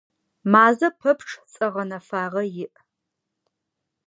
Мазэ пэпчъ цӏэ гъэнэфагъэ иӏ.